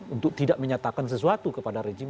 untuk tidak menyatakan sesuatu kepada rejim